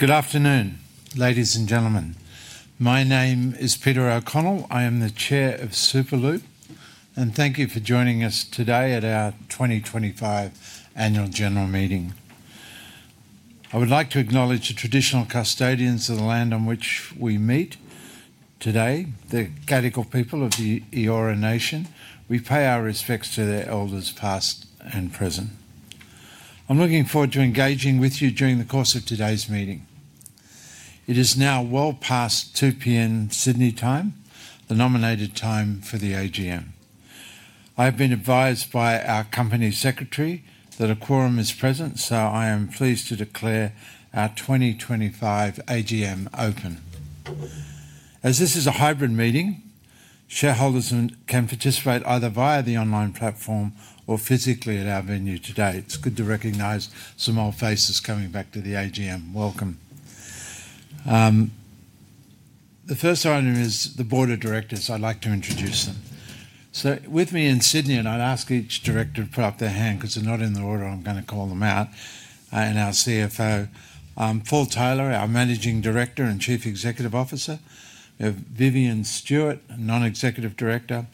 Good afternoon, ladies and gentlemen. My name is Peter O'Connell. I am the Chair of Superloop, and thank you for joining us today at our 2025 Annual General Meeting. I would like to acknowledge the traditional custodians of the land on which we meet today, the Gadigal people of the Eora Nation. We pay our respects to their elders, past and present. I'm looking forward to engaging with you during the course of today's meeting. It is now well past 2:00 P.M. Sydney time, the nominated time for the AGM. I have been advised by our Company Secretary that a quorum is present, so I am pleased to declare our 2025 AGM open. As this is a hybrid meeting, shareholders can participate either via the online platform or physically at our venue today. It's good to recognize some old faces coming back to the AGM. Welcome. The first item is the Board of Directors. I'd like to introduce them. So with me in Sydney, and I'd ask each director to put up their hand because they're not in the order, I'm going to call them out, and our CFO, Paul Tyler, our Managing Director and Chief Executive Officer, Vivian Stewart, Non-Executive Director,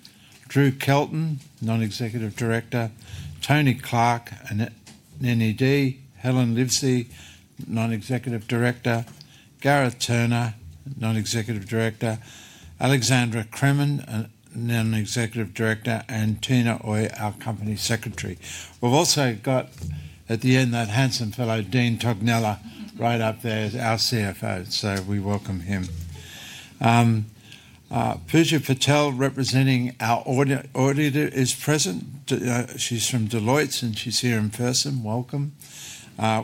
Drew Kelton, Non-Executive Director, Tony Clark, NED, Helen Livesey, Non-Executive Director, Gareth Turner, Non-Executive Director, Alexandra Cremon, Non-Executive Director, and Tina Ooi, our Company Secretary. We've also got at the end that handsome fellow, Dean Tognella, right up there as our CFO, so we welcome him. Pooja Patel, representing our auditor, is present. She's from Deloitte, and she's here in person. Welcome.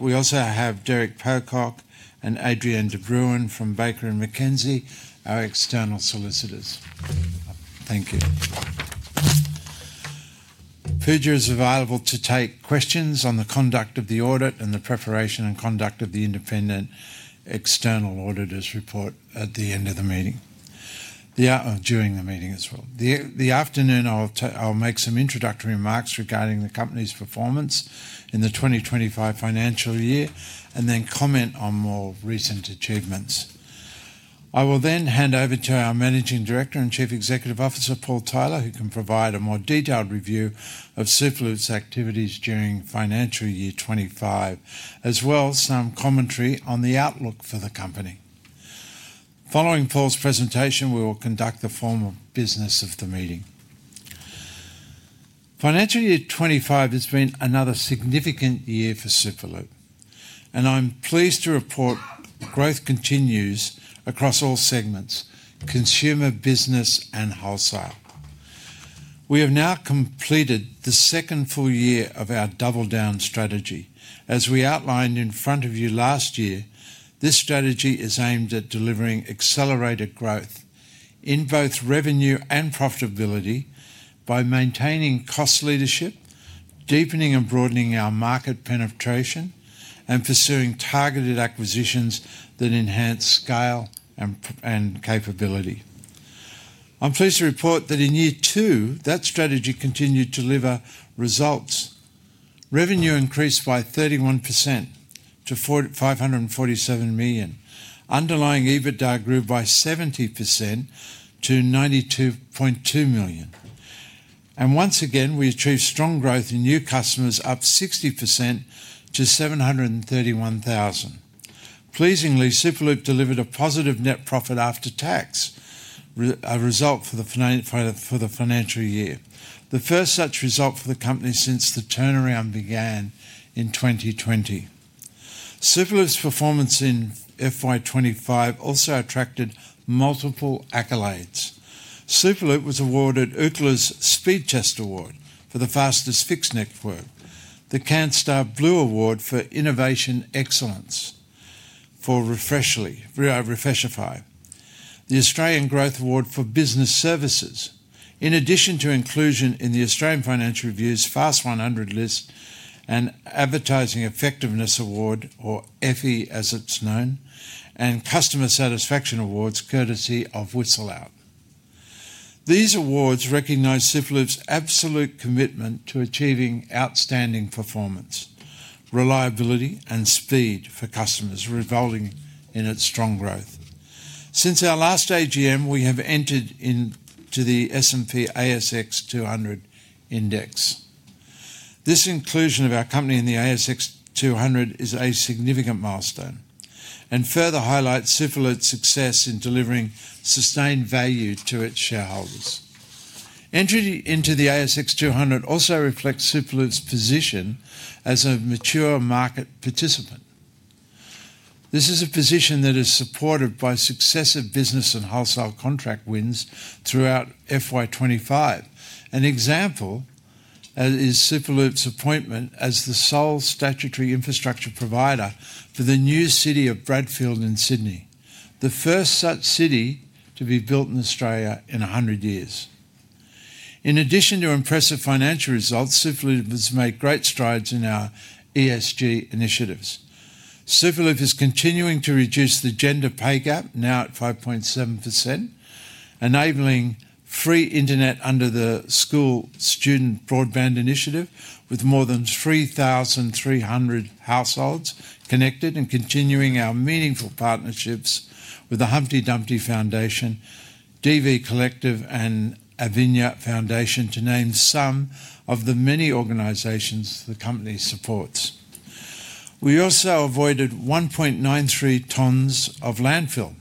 We also have Derek Pocock and Adrian De Bruin from Baker & McKenzie, our external solicitors. Thank you. Pooja is available to take questions on the conduct of the audit and the preparation and conduct of the independent external auditor's report at the end of the meeting. During the meeting as well. This afternoon, I'll make some introductory remarks regarding the company's performance in the 2025 financial year and then comment on more recent achievements. I will then hand over to our Managing Director and Chief Executive Officer, Paul Tyler, who can provide a more detailed review of Superloop's activities during financial year 2025, as well as some commentary on the outlook for the company. Following Paul's presentation, we will conduct the formal business of the meeting. Financial year 2025 has been another significant year for Superloop, and I'm pleased to report growth continues across all segments: consumer, business, and wholesale. We have now completed the second full year of our double-down strategy. As we outlined in front of you last year, this strategy is aimed at delivering accelerated growth in both revenue and profitability by maintaining cost leadership, deepening and broadening our market penetration, and pursuing targeted acquisitions that enhance scale and capability. I'm pleased to report that in year two, that strategy continued to deliver results. Revenue increased by 31% to 547 million. Underlying EBITDA grew by 70% to 92.2 million. Once again, we achieved strong growth in new customers, up 60% to 731,000. Pleasingly, Superloop delivered a positive net profit after tax, a result for the financial year, the first such result for the company since the turnaround began in 2020. Superloop's performance in FY 2025 also attracted multiple accolades. Superloop was awarded Ookla's Speedtest Award for the fastest fixed network, the Canstar Blue Award for Innovation Excellence for Refreshify, the Australian Growth Award for Business Services, in addition to inclusion in the Australian Financial Review's Fast 100 list, an Advertising Effectiveness Award, or EFI as it's known, and Customer Satisfaction Awards courtesy of WhistleOut. These awards recognize Superloop's absolute commitment to achieving outstanding performance, reliability, and speed for customers, resulting in its strong growth. Since our last AGM, we have entered into the S&P ASX 200 index. This inclusion of our company in the ASX 200 is a significant milestone and further highlights Superloop's success in delivering sustained value to its shareholders. Entry into the ASX 200 also reflects Superloop's position as a mature market participant. This is a position that is supported by successive business and wholesale contract wins throughout FY 2025. An example is Superloop's appointment as the sole statutory infrastructure provider for the new city of Bradfield in Sydney, the first such city to be built in Australia in 100 years. In addition to impressive financial results, Superloop has made great strides in our ESG initiatives. Superloop is continuing to reduce the gender pay gap, now at 5.7%, enabling free internet under the School Student Broadband Initiative with more than 3,300 households connected and continuing our meaningful partnerships with the Humpty Dumpty Foundation, DV Collective, and Avinya Foundation, to name some of the many organizations the company supports. We also avoided 1.93 tons of landfill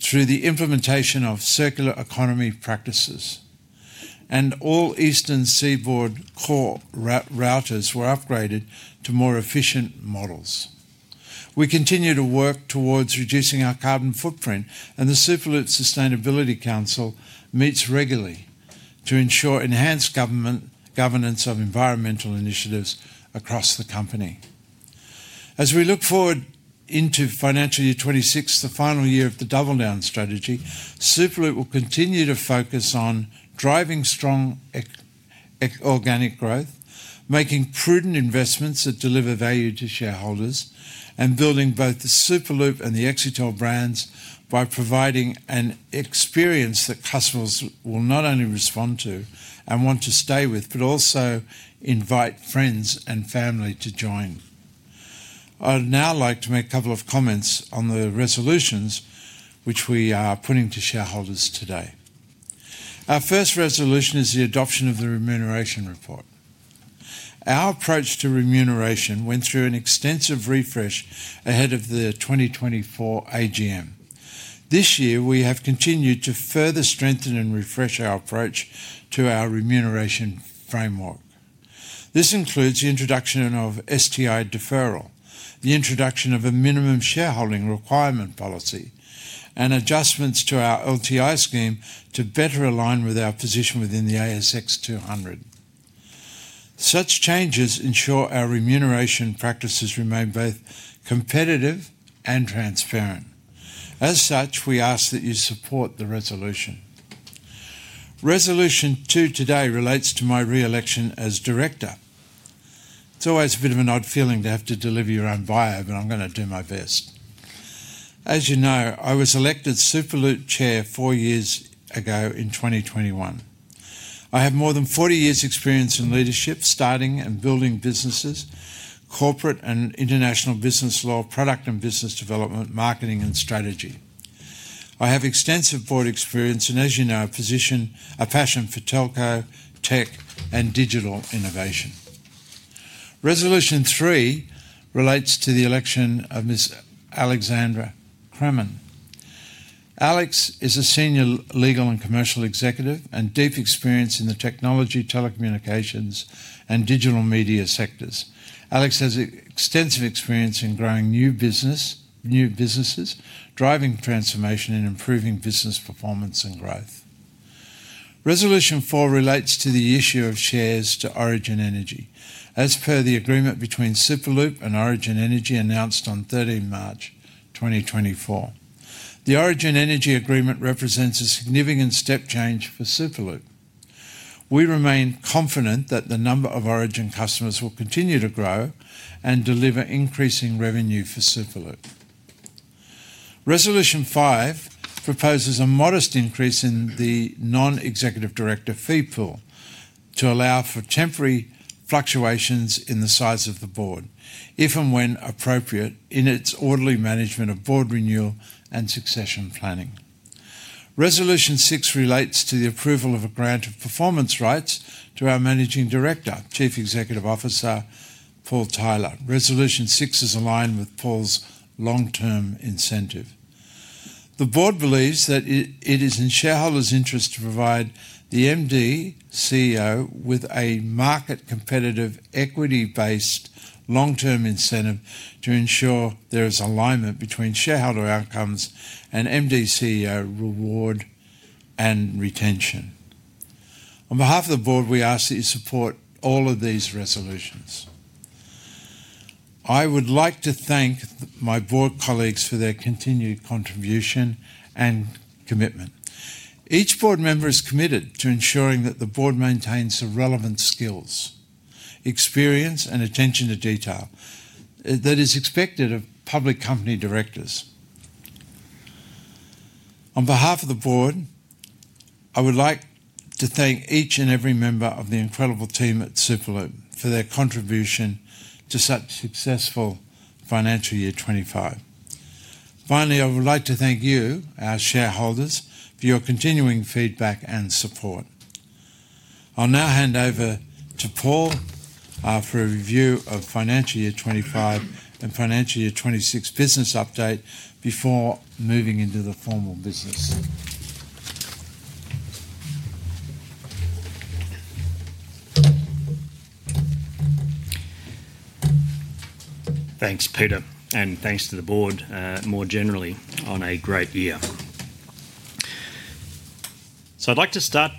through the implementation of circular economy practices, and all Eastern Seaboard core routers were upgraded to more efficient models. We continue to work towards reducing our carbon footprint, and the Superloop Sustainability Council meets regularly to ensure enhanced governance of environmental initiatives across the company. As we look forward into financial year 2026, the final year of the double-down strategy, Superloop will continue to focus on driving strong organic growth, making prudent investments that deliver value to shareholders, and building both the Superloop and the Exetel brands by providing an experience that customers will not only respond to and want to stay with, but also invite friends and family to join. I'd now like to make a couple of comments on the resolutions which we are putting to shareholders today. Our first resolution is the adoption of the remuneration report. Our approach to remuneration went through an extensive refresh ahead of the 2024 AGM. This year, we have continued to further strengthen and refresh our approach to our remuneration framework. This includes the introduction of STI deferral, the introduction of a minimum shareholding requirement policy, and adjustments to our LTI scheme to better align with our position within the ASX 200. Such changes ensure our remuneration practices remain both competitive and transparent. As such, we ask that you support the resolution. Resolution two today relates to my re-election as Director. It's always a bit of an odd feeling to have to deliver your own bio, but I'm going to do my best. As you know, I was elected Superloop Chair four years ago in 2021. I have more than 40 years' experience in leadership, starting and building businesses, corporate and international business law, product and business development, marketing, and strategy. I have extensive board experience and, as you know, a passion for telco, tech, and digital innovation. Resolution three relates to the election of Ms. Alexandra Cremon. Alex is a senior legal and commercial executive and deep experience in the technology, telecommunications, and digital media sectors. Alex has extensive experience in growing new businesses, driving transformation, and improving business performance and growth. Resolution four relates to the issue of shares to Origin Energy. As per the agreement between Superloop and Origin Energy announced on 13 March 2024, the Origin Energy agreement represents a significant step change for Superloop. We remain confident that the number of Origin customers will continue to grow and deliver increasing revenue for Superloop. Resolution five proposes a modest increase in the Non-Executive Director fee pool to allow for temporary fluctuations in the size of the board, if and when appropriate, in its orderly management of board renewal and succession planning. Resolution six relates to the approval of a grant of performance rights to our Managing Director, Chief Executive Officer Paul Tyler. Resolution six is aligned with Paul's long-term incentive. The board believes that it is in shareholders' interest to provide the MD CEO with a market-competitive, equity-based long-term incentive to ensure there is alignment between shareholder outcomes and MD CEO reward and retention. On behalf of the board, we ask that you support all of these resolutions. I would like to thank my board colleagues for their continued contribution and commitment. Each board member is committed to ensuring that the board maintains the relevant skills, experience, and attention to detail that is expected of public company directors. On behalf of the board, I would like to thank each and every member of the incredible team at Superloop for their contribution to such successful financial year 2025. Finally, I would like to thank you, our shareholders, for your continuing feedback and support. I'll now hand over to Paul for a review of financial year 2025 and financial year 2026 business update before moving into the formal business. Thanks, Peter, and thanks to the board more generally on a great year. I'd like to start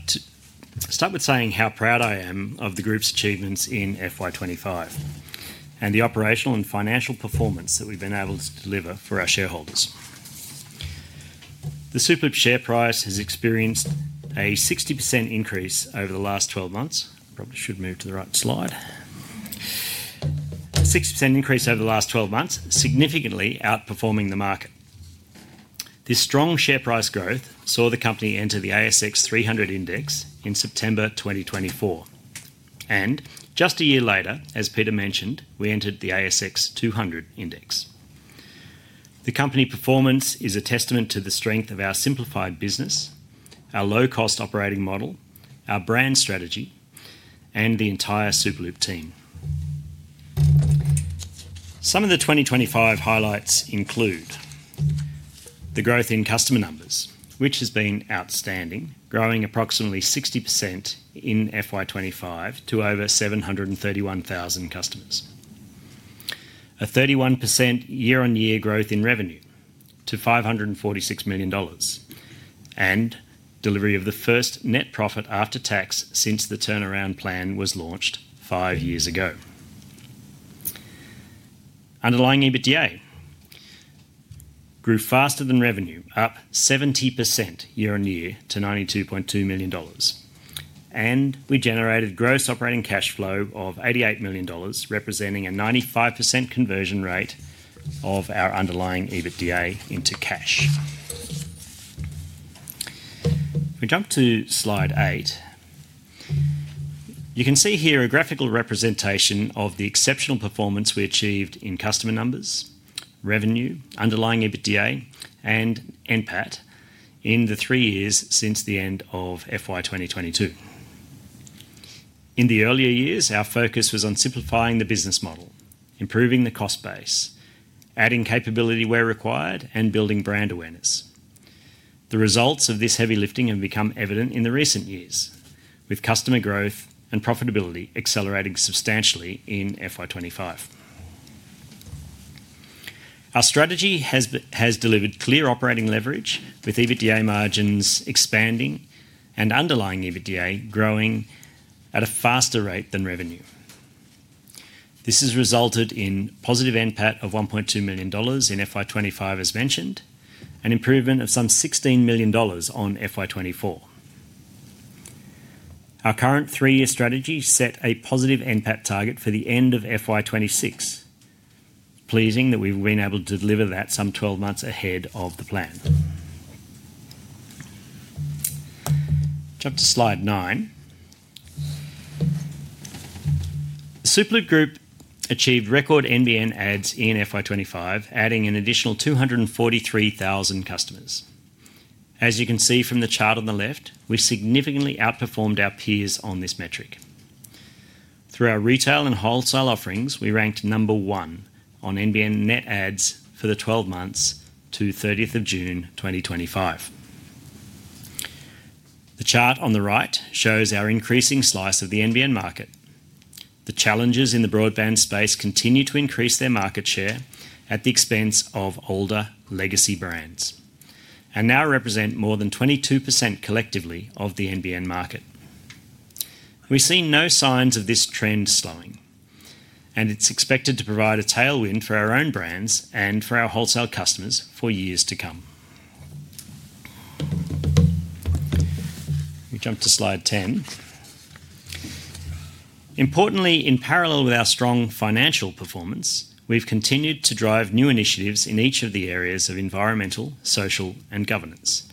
with saying how proud I am of the group's achievements in FY 2025 and the operational and financial performance that we've been able to deliver for our shareholders. The Superloop share price has experienced a 60% increase over the last 12 months. Probably should move to the right slide. A 60% increase over the last 12 months, significantly outperforming the market. This strong share price growth saw the company enter the ASX 300 index in September 2024. Just a year later, as Peter mentioned, we entered the ASX 200 index. The company performance is a testament to the strength of our simplified business, our low-cost operating model, our brand strategy, and the entire Superloop team. Some of the 2025 highlights include the growth in customer numbers, which has been outstanding, growing approximately 60% in FY 2025 to over 731,000 customers, a 31% year-on-year growth in revenue to 546 million dollars, and delivery of the first net profit after tax since the turnaround plan was launched five years ago. Underlying EBITDA grew faster than revenue, up 70% year-on-year to AUD 92.2 million, and we generated gross operating cash flow of 88 million dollars, representing a 95% conversion rate of our underlying EBITDA into cash. If we jump to slide eight, you can see here a graphical representation of the exceptional performance we achieved in customer numbers, revenue, underlying EBITDA, and NPAT in the three years since the end of FY 2022. In the earlier years, our focus was on simplifying the business model, improving the cost base, adding capability where required, and building brand awareness. The results of this heavy lifting have become evident in the recent years, with customer growth and profitability accelerating substantially in FY 2025. Our strategy has delivered clear operating leverage, with EBITDA margins expanding and underlying EBITDA growing at a faster rate than revenue. This has resulted in positive NPAT of 1.2 million dollars in FY 2025, as mentioned, and improvement of some 16 million dollars on FY 2024. Our current three-year strategy set a positive NPAT target for the end of FY 2026, pleasing that we've been able to deliver that some 12 months ahead of the plan. Jump to slide nine. Superloop Group achieved record NBN net adds in FY 2025, adding an additional 243,000 customers. As you can see from the chart on the left, we've significantly outperformed our peers on this metric. Through our retail and wholesale offerings, we ranked number one on NBN net adds for the 12 months to 30 June 2025. The chart on the right shows our increasing slice of the NBN market. The challengers in the broadband space continue to increase their market share at the expense of older legacy brands and now represent more than 22% collectively of the NBN market. We see no signs of this trend slowing, and it's expected to provide a tailwind for our own brands and for our wholesale customers for years to come. We jump to slide 10. Importantly, in parallel with our strong financial performance, we've continued to drive new initiatives in each of the areas of environmental, social, and governance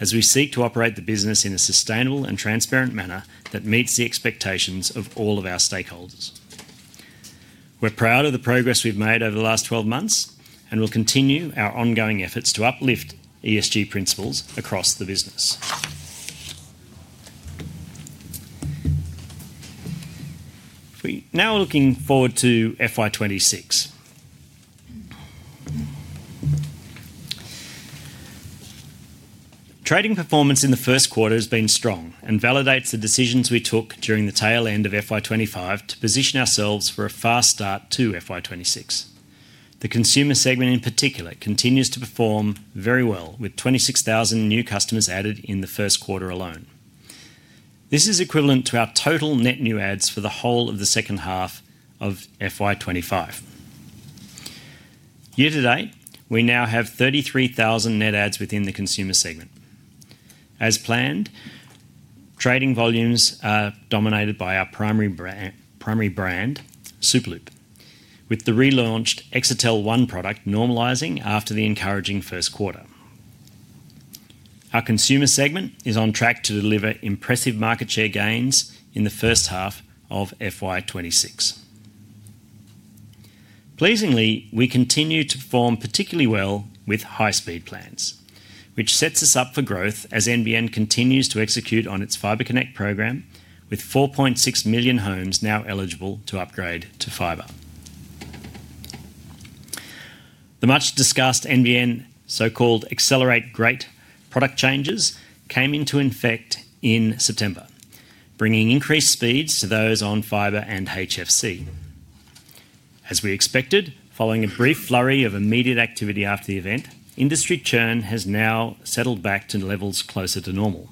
as we seek to operate the business in a sustainable and transparent manner that meets the expectations of all of our stakeholders. We're proud of the progress we've made over the last 12 months and will continue our ongoing efforts to uplift ESG principles across the business. We now are looking forward to FY 2026. Trading performance in the first quarter has been strong and validates the decisions we took during the tail end of FY 2025 to position ourselves for a fast start to FY 2026. The consumer segment, in particular, continues to perform very well, with 26,000 new customers added in the first quarter alone. This is equivalent to our total net new adds for the whole of the second half of FY 2025. Year to date, we now have 33,000 net adds within the consumer segment. As planned, trading volumes are dominated by our primary brand, Superloop, with the relaunched Exetel One product normalizing after the encouraging first quarter. Our consumer segment is on track to deliver impressive market share gains in the first half of FY 2026. Pleasingly, we continue to perform particularly well with high-speed plans, which sets us up for growth as NBN continues to execute on its fiber connect program with 4.6 million homes now eligible to upgrade to fiber. The much-discussed NBN so-called accelerate great product changes came into effect in September, bringing increased speeds to those on fiber and HFC. As we expected, following a brief flurry of immediate activity after the event, industry churn has now settled back to levels closer to normal.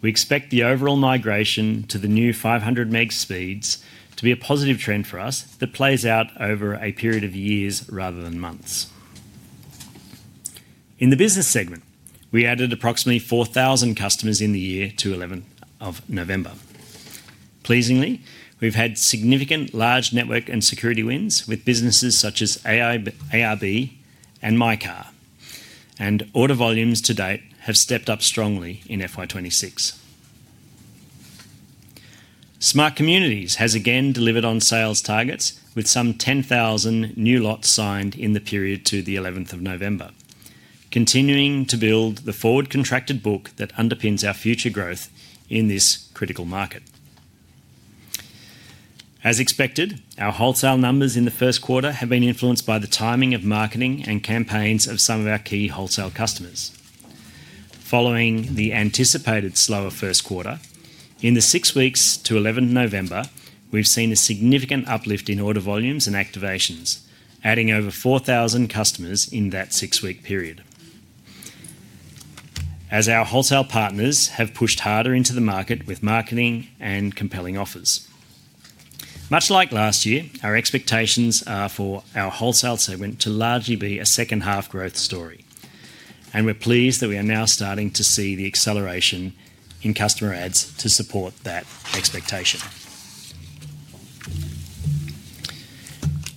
We expect the overall migration to the new 500 meg speeds to be a positive trend for us that plays out over a period of years rather than months. In the business segment, we added approximately 4,000 customers in the year to 11th of November. Pleasingly, we've had significant large network and security wins with businesses such as ARB and MyCar, and order volumes to date have stepped up strongly in FY 2026. Smart Communities has again delivered on sales targets with some 10,000 new lots signed in the period to the 11th of November, continuing to build the forward contracted book that underpins our future growth in this critical market. As expected, our wholesale numbers in the first quarter have been influenced by the timing of marketing and campaigns of some of our key wholesale customers. Following the anticipated slower first quarter, in the six weeks to 11 November, we've seen a significant uplift in order volumes and activations, adding over 4,000 customers in that six-week period. As our wholesale partners have pushed harder into the market with marketing and compelling offers. Much like last year, our expectations are for our wholesale segment to largely be a second-half growth story, and we're pleased that we are now starting to see the acceleration in customer adds to support that expectation.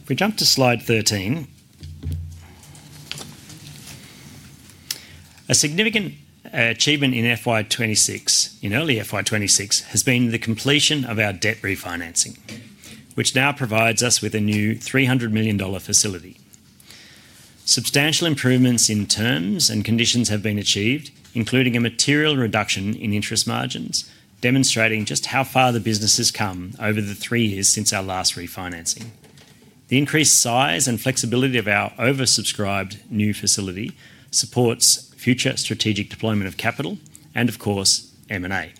If we jump to slide 13, a significant achievement in FY 2026, in early FY 2026, has been the completion of our debt refinancing, which now provides us with a new 300 million dollar facility. Substantial improvements in terms and conditions have been achieved, including a material reduction in interest margins, demonstrating just how far the business has come over the three years since our last refinancing. The increased size and flexibility of our oversubscribed new facility supports future strategic deployment of capital and, of course, M&A.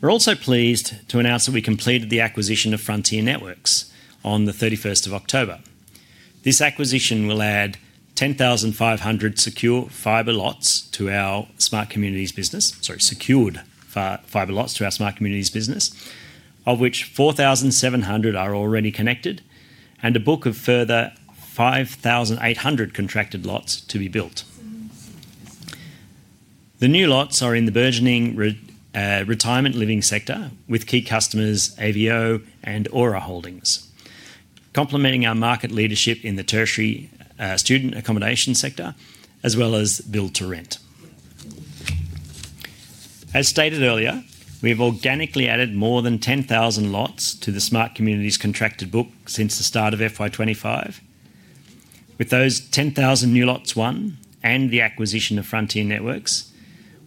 We're also pleased to announce that we completed the acquisition of Frontier Networks on the 31st of October. This acquisition will add 10,500 secured fiber lots to our Smart Communities business, of which 4,700 are already connected and a book of further 5,800 contracted lots to be built. The new lots are in the burgeoning retirement living sector with key customers Avinya and Aura Holdings, complementing our market leadership in the tertiary student accommodation sector, as well as build-to-rent. As stated earlier, we have organically added more than 10,000 lots to the Smart Communities contracted book since the start of FY 2025. With those 10,000 new lots won and the acquisition of Frontier Networks,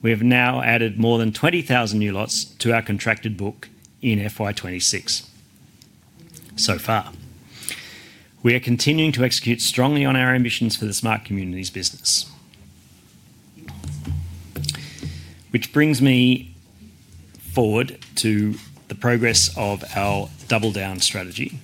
we have now added more than 20,000 new lots to our contracted book in FY 2026 so far. We are continuing to execute strongly on our ambitions for the Smart Communities business, which brings me forward to the progress of our double-down strategy.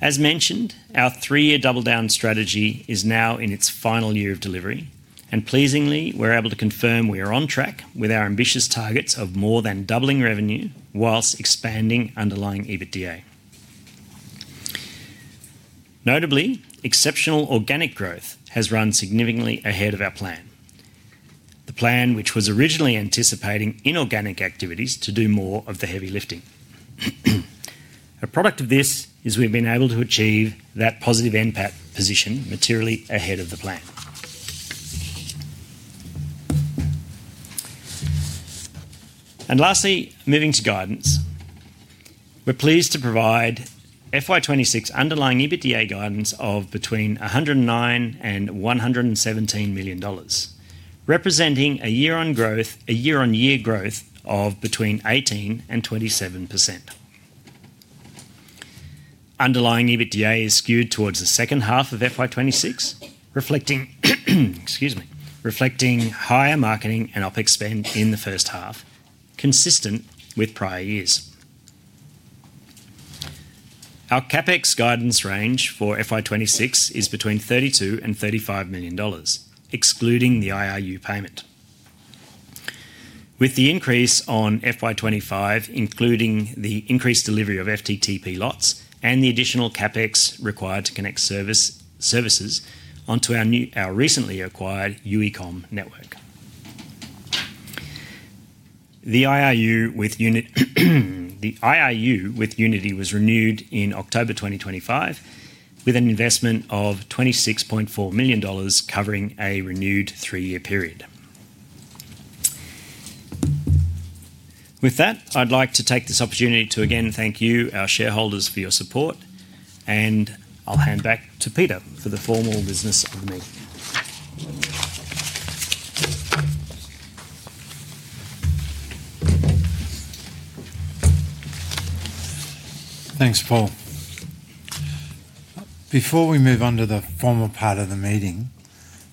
As mentioned, our three-year double-down strategy is now in its final year of delivery, and pleasingly, we're able to confirm we are on track with our ambitious targets of more than doubling revenue whilst expanding underlying EBITDA. Notably, exceptional organic growth has run significantly ahead of our plan, the plan which was originally anticipating inorganic activities to do more of the heavy lifting. A product of this is we've been able to achieve that positive NPAT position materially ahead of the plan. Lastly, moving to guidance, we're pleased to provide FY 2026 underlying EBITDA guidance of between 109 million and 117 million dollars, representing a year-on-year growth of between 18% and 27%. Underlying EBITDA is skewed towards the second half of FY 2026, reflecting higher marketing and OPEX spend in the first half, consistent with prior years. Our CAPEX guidance range for FY 2026 is between 32 million and 35 million dollars, excluding the IRU payment, with the increase on FY 2025, including the increased delivery of FTTP lots and the additional CapEx required to connect services onto our recently acquired UECOM network. The IRU with Unity was renewed in October 2025 with an investment of 26.4 million dollars, covering a renewed three-year period. With that, I'd like to take this opportunity to again thank you, our shareholders, for your support, and I'll hand back to Peter for the formal business of the meeting. Thanks, Paul. Before we move on to the formal part of the meeting,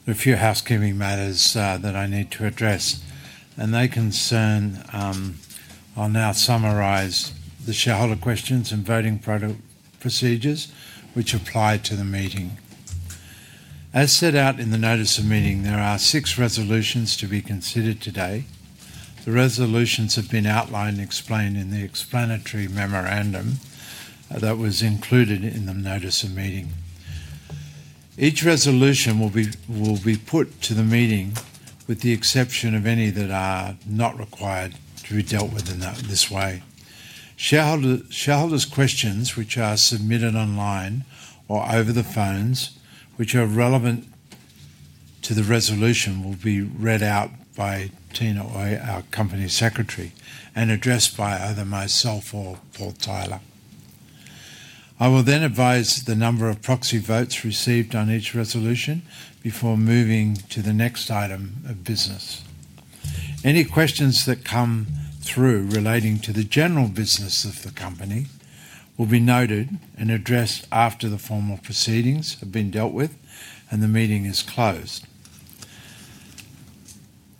there are a few housekeeping matters that I need to address, and they concern I'll now summarize the shareholder questions and voting procedures which apply to the meeting. As set out in the notice of meeting, there are six resolutions to be considered today. The resolutions have been outlined and explained in the explanatory memorandum that was included in the notice of meeting. Each resolution will be put to the meeting with the exception of any that are not required to be dealt with in this way. Shareholders' questions, which are submitted online or over the phones, which are relevant to the resolution, will be read out by Tina Ooi, our Company Secretary, and addressed by either myself or Paul Tyler. I will then advise the number of proxy votes received on each resolution before moving to the next item of business. Any questions that come through relating to the general business of the company will be noted and addressed after the formal proceedings have been dealt with and the meeting is closed.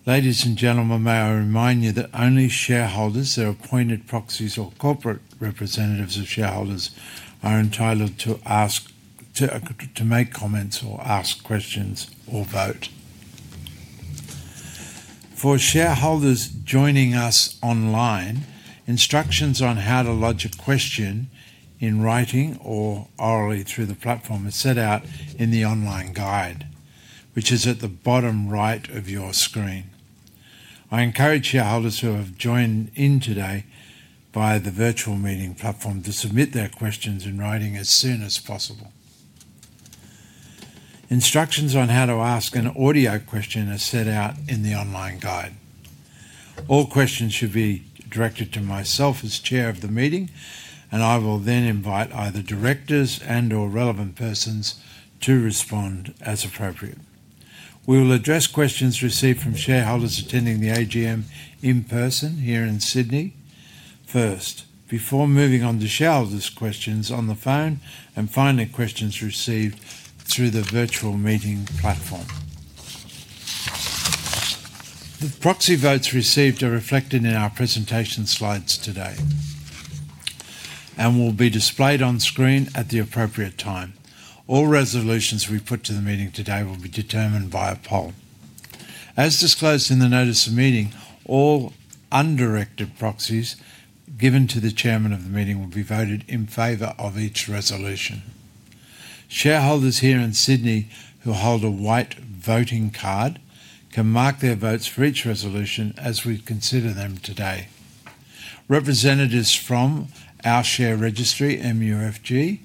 Ladies and gentlemen, may I remind you that only shareholders that are appointed proxies or corporate representatives of shareholders are entitled to make comments or ask questions or vote. For shareholders joining us online, instructions on how to lodge a question in writing or orally through the platform are set out in the online guide, which is at the bottom right of your screen. I encourage shareholders who have joined in today via the virtual meeting platform to submit their questions in writing as soon as possible. Instructions on how to ask an audio question are set out in the online guide. All questions should be directed to myself as Chair of the meeting, and I will then invite either directors and/or relevant persons to respond as appropriate. We will address questions received from shareholders attending the AGM in person here in Sydney first, before moving on to shareholders' questions on the phone and finally questions received through the virtual meeting platform. The proxy votes received are reflected in our presentation slides today and will be displayed on screen at the appropriate time. All resolutions we put to the meeting today will be determined via poll. As disclosed in the notice of meeting, all undirected proxies given to the Chairman of the meeting will be voted in favor of each resolution. Shareholders here in Sydney who hold a white voting card can mark their votes for each resolution as we consider them today. Representatives from our share registry, MUFG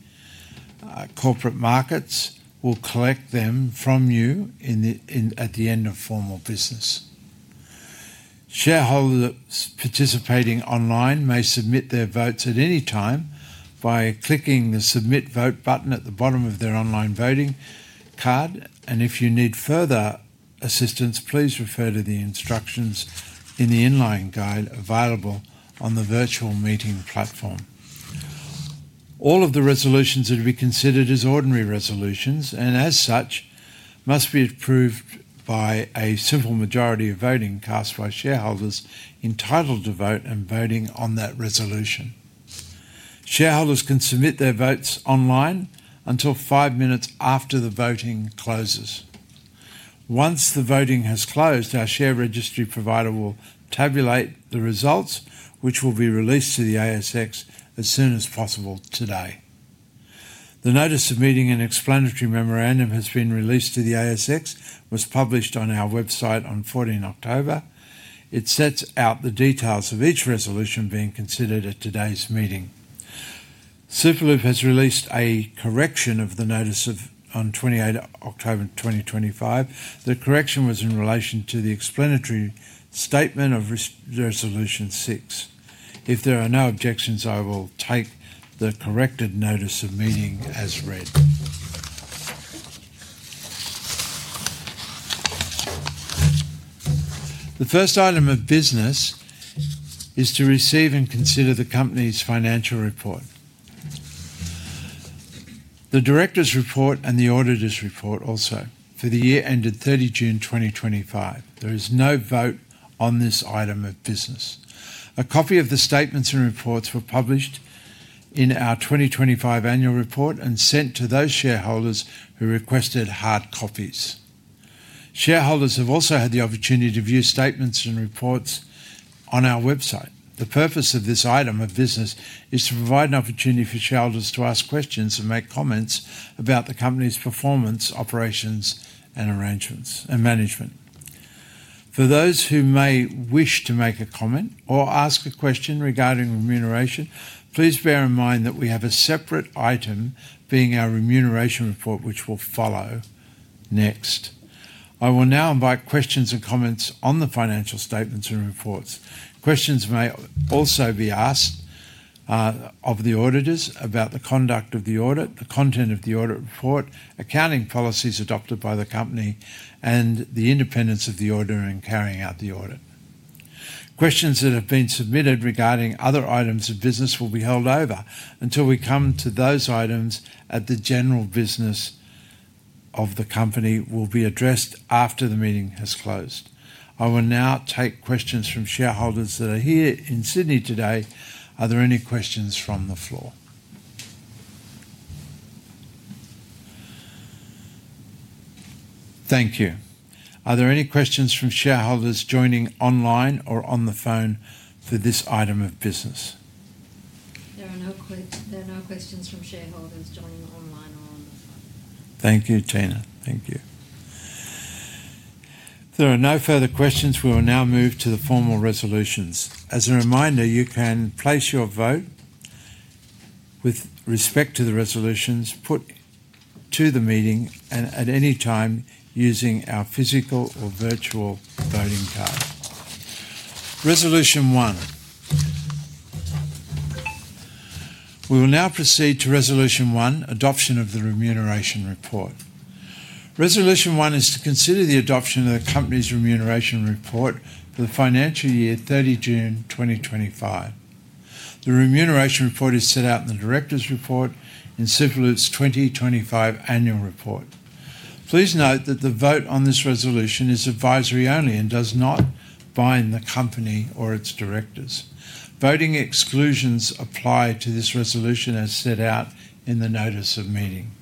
Corporate Markets, will collect them from you at the end of formal business. Shareholders participating online may submit their votes at any time by clicking the submit vote button at the bottom of their online voting card, and if you need further assistance, please refer to the instructions in the inline guide available on the virtual meeting platform. All of the resolutions that will be considered are ordinary resolutions and, as such, must be approved by a simple majority of votes cast by shareholders entitled to vote and voting on that resolution. Shareholders can submit their votes online until five minutes after the voting closes. Once the voting has closed, our share registry provider will tabulate the results, which will be released to the ASX as soon as possible today. The notice of meeting and explanatory memorandum has been released to the ASX, was published on our website on 14 October. It sets out the details of each resolution being considered at today's meeting. Superloop has released a correction of the notice on 28 October 2025. The correction was in relation to the explanatory statement of resolution six. If there are no objections, I will take the corrected notice of meeting as read. The first item of business is to receive and consider the company's financial report, the director's report, and the auditor's report also for the year ended 30 June 2025. There is no vote on this item of business. A copy of the statements and reports were published in our 2025 annual report and sent to those shareholders who requested hard copies. Shareholders have also had the opportunity to view statements and reports on our website. The purpose of this item of business is to provide an opportunity for shareholders to ask questions and make comments about the company's performance, operations, and management. For those who may wish to make a comment or ask a question regarding remuneration, please bear in mind that we have a separate item being our remuneration report, which will follow next. I will now invite questions and comments on the financial statements and reports. Questions may also be asked of the auditors about the conduct of the audit, the content of the audit report, accounting policies adopted by the company, and the independence of the auditor in carrying out the audit. Questions that have been submitted regarding other items of business will be held over until we come to those items at the general business of the company will be addressed after the meeting has closed. I will now take questions from shareholders that are here in Sydney today. Are there any questions from the floor? Thank you. Are there any questions from shareholders joining online or on the phone for this item of business? There are no questions from shareholders joining online or on the phone. Thank you, Tina. Thank you. There are no further questions. We will now move to the formal resolutions. As a reminder, you can place your vote with respect to the resolutions put to the meeting at any time using our physical or virtual voting card. Resolution one. We will now proceed to resolution one, adoption of the remuneration report. Resolution one is to consider the adoption of the company's remuneration report for the financial year, 30 June 2025. The remuneration report is set out in the director's report in Superloop's 2025 annual report. Please note that the vote on this resolution is advisory only and does not bind the company or its directors. Voting exclusions apply to this resolution as set out in the notice of meeting.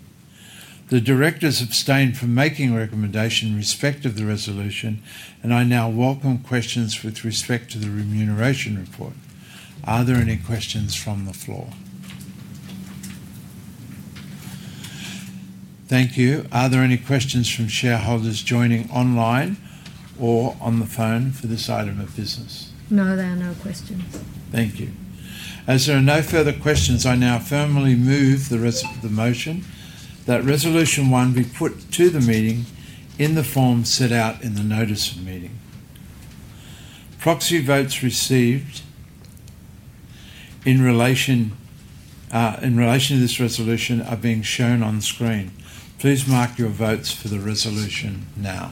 The directors abstain from making a recommendation respective of the resolution, and I now welcome questions with respect to the remuneration report. Are there any questions from the floor? Thank you. Are there any questions from shareholders joining online or on the phone for this item of business? No, there are no questions. Thank you. As there are no further questions, I now formally move the rest of the motion that resolution one be put to the meeting in the form set out in the notice of meeting. Proxy votes received in relation to this resolution are being shown on screen. Please mark your votes for the resolution now.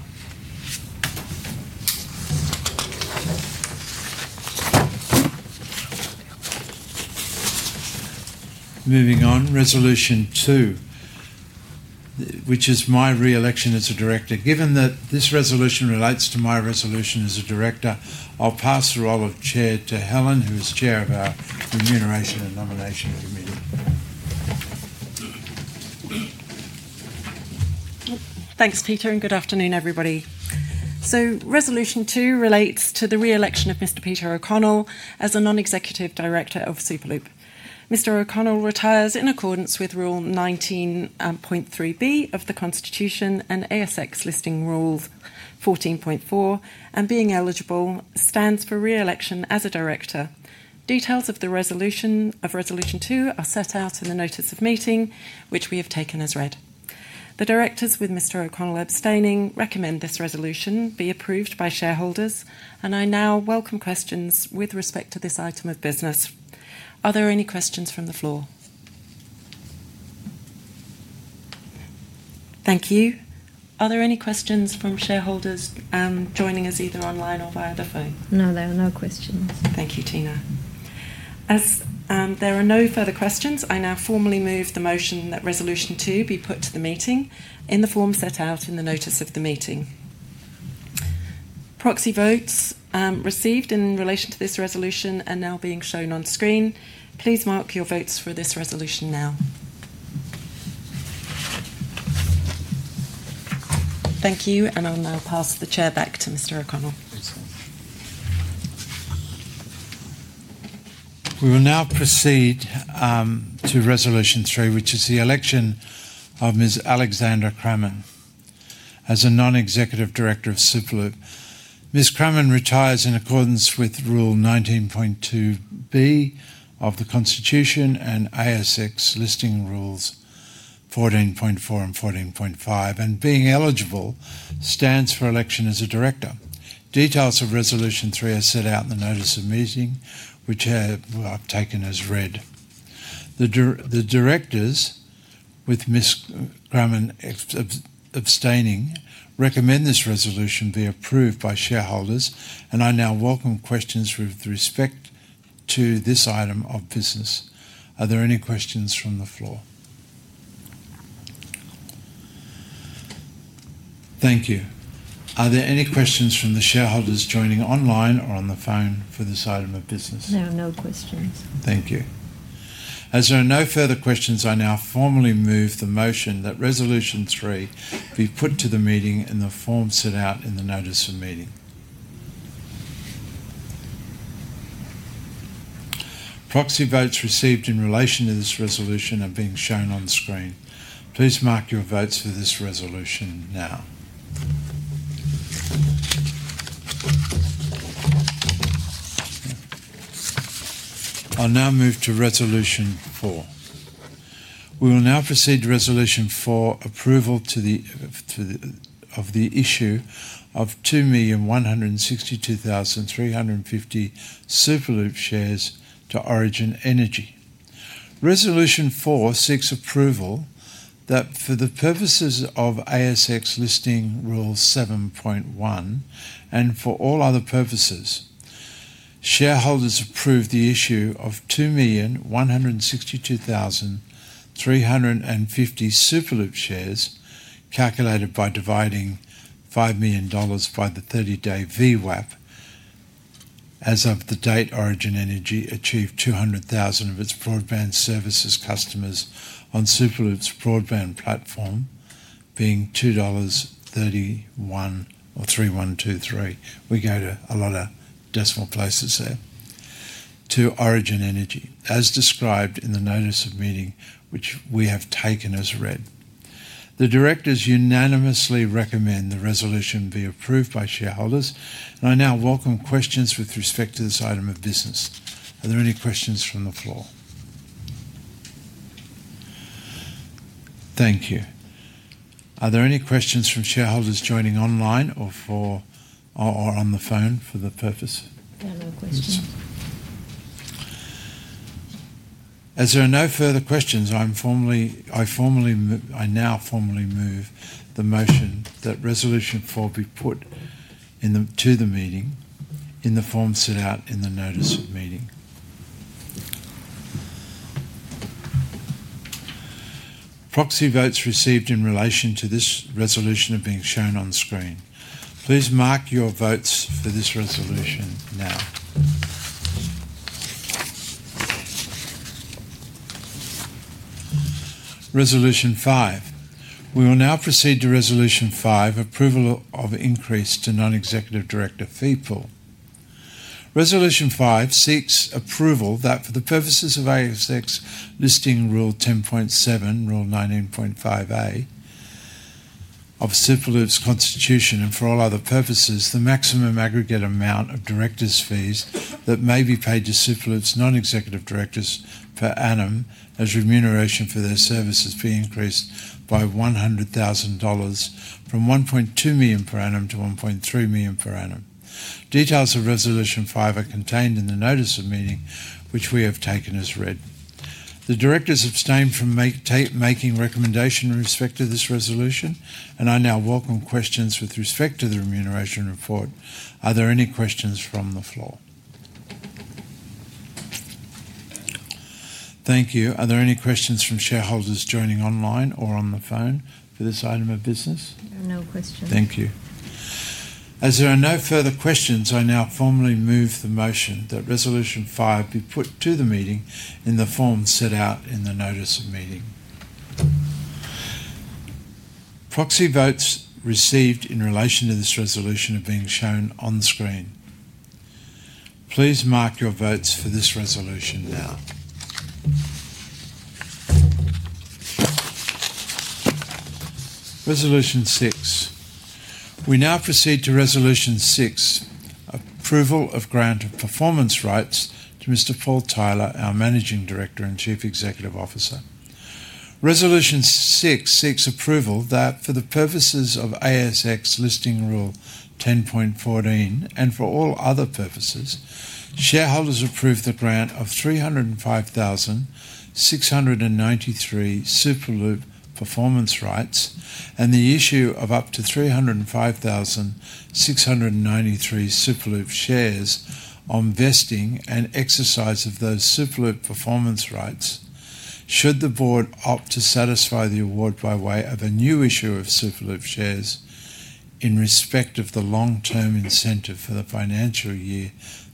Moving on, resolution two, which is my reelection as a director. Given that this resolution relates to my reelection as a director, I'll pass the role of Chair to Helen, who is Chair of our Remuneration and Nomination Committee. Thanks, Peter, and good afternoon, everybody. Resolution two relates to the reelection of Mr. Peter O'Connell as a non-executive director of Superloop. Mr. O'Connell retires in accordance with rule 19.3B of the constitution and ASX listing rule 14.4, and being eligible stands for reelection as a director. Details of the resolution of resolution two are set out in the notice of meeting, which we have taken as read. The directors, with Mr. O'Connell abstaining, recommend this resolution be approved by shareholders, and I now welcome questions with respect to this item of business. Are there any questions from the floor? Thank you. Are there any questions from shareholders joining us either online or via the phone? No, there are no questions. Thank you, Tina. As there are no further questions, I now formally move the motion that resolution two be put to the meeting in the form set out in the notice of the meeting. Proxy votes received in relation to this resolution are now being shown on screen. Please mark your votes for this resolution now. Thank you, and I'll now pass the chair back to Mr. O'Connell. We will now proceed to resolution three, which is the election of Ms. Alexandra Cremon as a non-executive director of Superloop. Ms. Cremon retires in accordance with rule 19.2B of the constitution and ASX listing rules 14.4 and 14.5, and being eligible stands for election as a director. Details of resolution three are set out in the notice of meeting, which I've taken as read. The directors, with Ms. Cremon abstaining, recommend this resolution be approved by shareholders, and I now welcome questions with respect to this item of business. Are there any questions from the floor? Thank you. Are there any questions from the shareholders joining online or on the phone for this item of business? No, no questions. Thank you. As there are no further questions, I now formally move the motion that resolution three be put to the meeting in the form set out in the notice of meeting. Proxy votes received in relation to this resolution are being shown on screen. Please mark your votes for this resolution now. I'll now move to resolution four. We will now proceed to resolution four, approval of the issue of 2,162,350 Superloop shares to Origin Energy. Resolution four seeks approval that for the purposes of ASX listing rule 7.1 and for all other purposes, shareholders approve the issue of 2,162,350 Superloop shares calculated by dividing 5 million dollars by the 30-day VWAP as of the date Origin Energy achieved 200,000 of its broadband services customers on Superloop's broadband platform, being 2.3123 dollars. We go to a lot of decimal places there to Origin Energy, as described in the notice of meeting, which we have taken as read. The directors unanimously recommend the resolution be approved by shareholders, and I now welcome questions with respect to this item of business. Are there any questions from the floor? Thank you. Are there any questions from shareholders joining online or on the phone for the purpose? There are no questions. As there are no further questions, I now formally move the motion that resolution four be put to the meeting in the form set out in the notice of meeting. Proxy votes received in relation to this resolution are being shown on screen. Please mark your votes for this resolution now. Resolution five. We will now proceed to resolution five, approval of increase to non-executive director fee pool. Resolution five seeks approval that for the purposes of ASX listing rule 10.7, rule 19.5A of Superloop's constitution and for all other purposes, the maximum aggregate amount of directors' fees that may be paid to Superloop's non-executive directors per annum as remuneration for their services be increased by 100,000 dollars from 1.2 million per annum to 1.3 million per annum. Details of resolution five are contained in the notice of meeting, which we have taken as read. The directors abstain from making recommendation with respect to this resolution, and I now welcome questions with respect to the remuneration report. Are there any questions from the floor? Thank you. Are there any questions from shareholders joining online or on the phone for this item of business? No questions. Thank you. As there are no further questions, I now formally move the motion that resolution five be put to the meeting in the form set out in the notice of meeting. Proxy votes received in relation to this resolution are being shown on screen. Please mark your votes for this resolution now. Resolution six. We now proceed to resolution six, approval of grant of performance rights to Mr. Paul Tyler, our Managing Director and Chief Executive Officer. Resolution six seeks approval that for the purposes of ASX listing rule 10.14 and for all other purposes, shareholders approve the grant of 305,693 Superloop performance rights and the issue of up to 305,693 Superloop shares on vesting and exercise of those Superloop performance rights. Should the board opt to satisfy the award by way of a new issue of Superloop shares in respect of the long-term incentive for the financial year,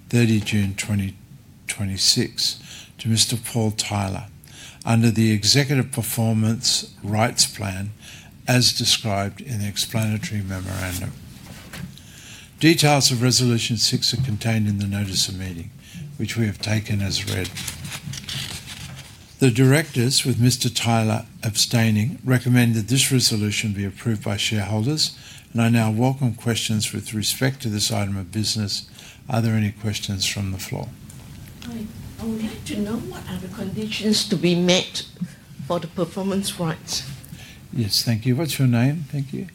30 June 2026, to Mr. Paul Tyler under the executive performance rights plan as described in the explanatory memorandum. Details of resolution six are contained in the notice of meeting, which we have taken as read. The directors, with Mr. Tyler abstaining, recommend that this resolution be approved by shareholders, and I now welcome questions with respect to this item of business. Are there any questions from the floor? I would like to know what are the conditions to be met for the performance rights. Yes, thank you. What's your name? Thank you.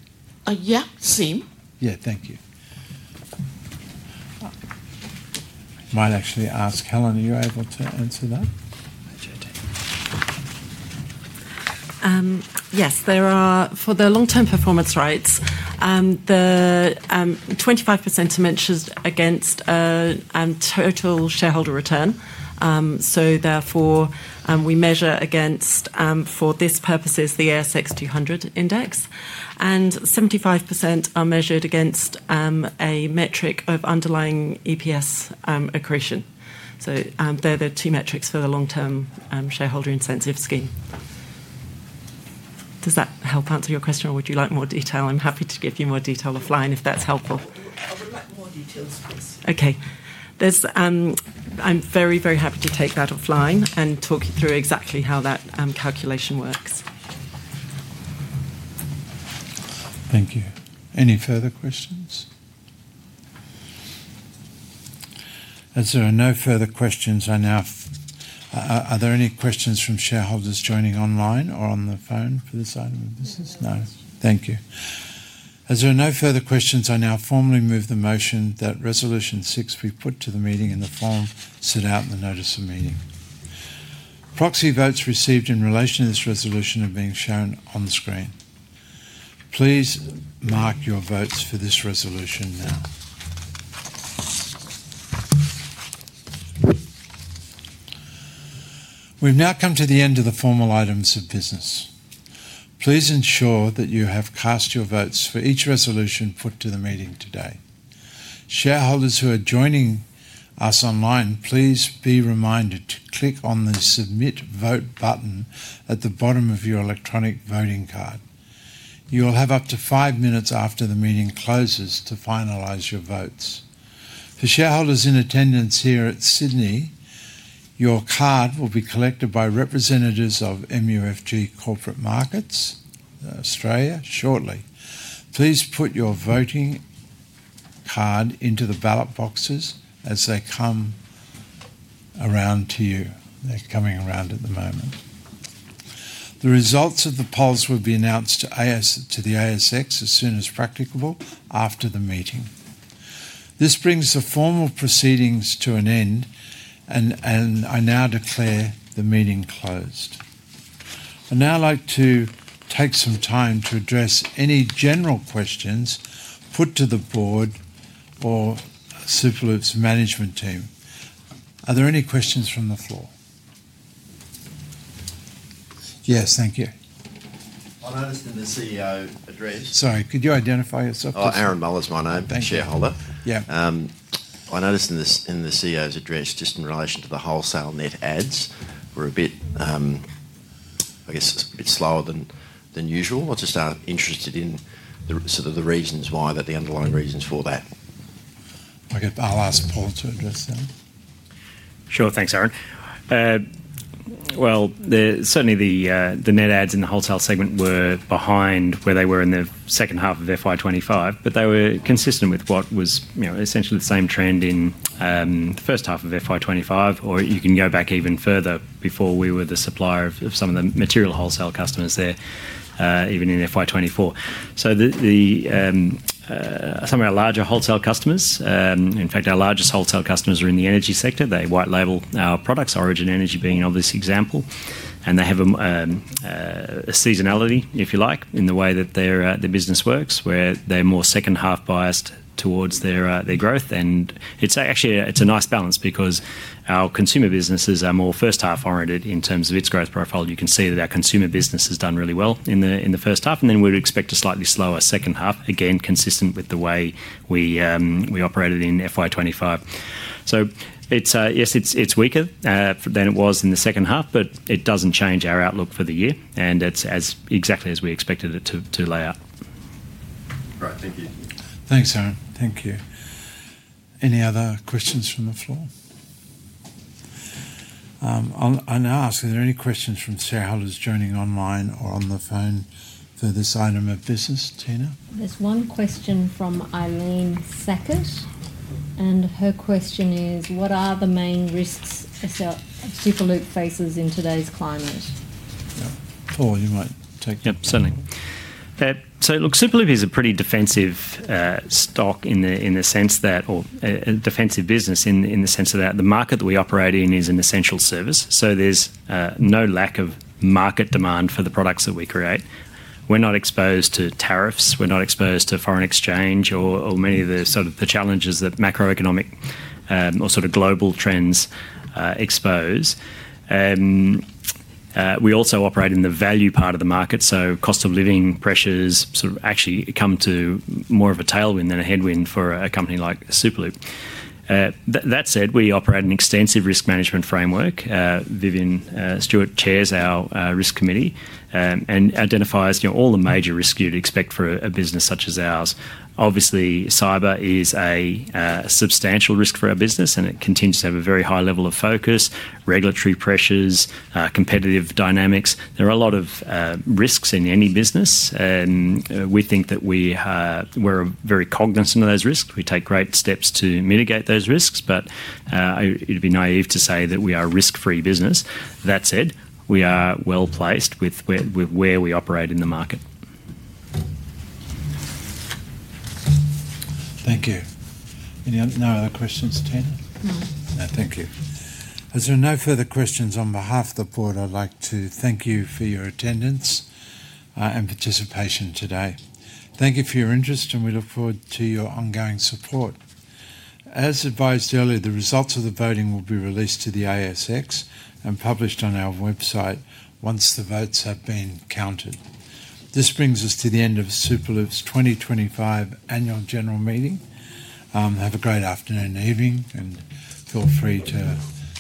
Yap Sim. Yeah, thank you. Might actually ask Helen, are you able to answer that? Yes, for the long-term performance rights, the 25% dimension is against a total shareholder return. Therefore, we measure against, for this purpose, the ASX 200 index, and 75% are measured against a metric of underlying EPS accretion. They are the two metrics for the long-term shareholder incentive scheme. Does that help answer your question, or would you like more detail? I'm happy to give you more detail offline if that's helpful. I would like more details, please. Okay. I'm very, very happy to take that offline and talk you through exactly how that calculation works. Thank you. Any further questions? As there are no further questions, are there any questions from shareholders joining online or on the phone for this item of business? No? Thank you. As there are no further questions, I now formally move the motion that resolution six be put to the meeting in the form set out in the notice of meeting. Proxy votes received in relation to this resolution are being shown on screen. Please mark your votes for this resolution now. We have now come to the end of the formal items of business. Please ensure that you have cast your votes for each resolution put to the meeting today. Shareholders who are joining us online, please be reminded to click on the submit vote button at the bottom of your electronic voting card. You will have up to five minutes after the meeting closes to finalize your votes. For shareholders in attendance here at Sydney, your card will be collected by representatives of MUFG Corporate Markets Australia shortly. Please put your voting card into the ballot boxes as they come around to you. They're coming around at the moment. The results of the polls will be announced to the ASX as soon as practicable after the meeting. This brings the formal proceedings to an end, and I now declare the meeting closed. I'd now like to take some time to address any general questions put to the board or Superloop's management team. Are there any questions from the floor? Yes, thank you. I noticed in the CEO address. Sorry, could you identify yourself? Aaron Bowell is my name, the shareholder. I noticed in the CEO's address, just in relation to the wholesale net adds, we're a bit, I guess, a bit slower than usual. I'll just ask, interested in sort of the reasons why, the underlying reasons for that. Okay, I'll ask Paul to address that. Sure, thanks, Aaron. Certainly the net adds in the wholesale segment were behind where they were in the second half of FY 2025, but they were consistent with what was essentially the same trend in the first half of FY 2025, or you can go back even further before we were the supplier of some of the material wholesale customers there, even in FY 2024. Some of our larger wholesale customers, in fact, our largest wholesale customers are in the energy sector. They white-label our products, Origin Energy being an obvious example, and they have a seasonality, if you like, in the way that their business works, where they're more second-half biased towards their growth. Actually, it's a nice balance because our consumer businesses are more first-half oriented in terms of its growth profile. You can see that our consumer business has done really well in the first half, and then we'd expect a slightly slower second half, again, consistent with the way we operated in FY 2025. Yes, it's weaker than it was in the second half, but it doesn't change our outlook for the year, and it's exactly as we expected it to lay out. All right, thank you. Thanks, Aaron. Thank you. Any other questions from the floor? I'll now ask, are there any questions from shareholders joining online or on the phone for this item of business, Tina? There's one question from Eileen Sackett, and her question is, what are the main risks Superloop faces in today's climate? Paul, you might take that. Yep, certainly. So look, Superloop is a pretty defensive stock in the sense that, or a defensive business in the sense that the market that we operate in is an essential service. There is no lack of market demand for the products that we create. We are not exposed to tariffs. We are not exposed to foreign exchange or many of the sort of challenges that macroeconomic or sort of global trends expose. We also operate in the value part of the market, so cost of living pressures sort of actually come to more of a tailwind than a headwind for a company like Superloop. That said, we operate an extensive risk management framework. Vivian Stewart chairs our risk committee and identifies all the major risks you would expect for a business such as ours. Obviously, cyber is a substantial risk for our business, and it continues to have a very high level of focus, regulatory pressures, competitive dynamics. There are a lot of risks in any business, and we think that we're very cognizant of those risks. We take great steps to mitigate those risks, but it'd be naive to say that we are a risk-free business. That said, we are well placed with where we operate in the market. Thank you. No other questions, Tina? No. No, thank you. As there are no further questions on behalf of the board, I'd like to thank you for your attendance and participation today. Thank you for your interest, and we look forward to your ongoing support. As advised earlier, the results of the voting will be released to the ASX and published on our website once the votes have been counted. This brings us to the end of Superloop's 2025 annual general meeting. Have a great afternoon and evening, and feel free to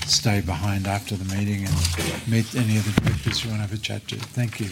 stay behind after the meeting and meet any other directors you want to have a chat to. Thank you.